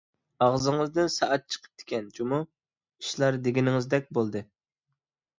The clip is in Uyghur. ئاغزىڭىزدىن سائەت چىقىپتىكەن جۇمۇ، ئىشلار دېگىنىڭىزدەك بولدى.